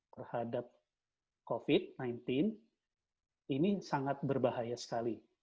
terhadap covid sembilan belas ini sangat berbahaya sekali